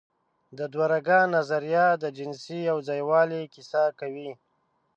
د دوهرګه نظریه د جنسي یوځای والي کیسه کوي.